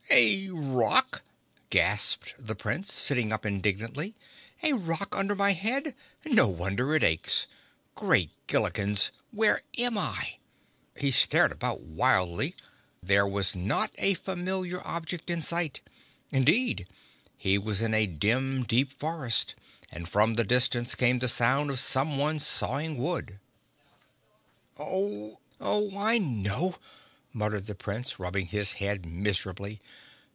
"A rock!" gasped the Prince, sitting up indignantly. "A rock under my head! No wonder it aches! Great Gillikens! Where am I?" He stared about wildly. There was not a familiar object in sight. Indeed he was in a dim, deep forest, and from the distance came the sound of someone sawing wood. "Oh! Oh! I know!" muttered the Prince, rubbing his head miserably.